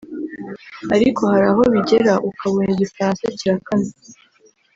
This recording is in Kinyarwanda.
ariko hari aho bigera ukabona igifaransa kirakamye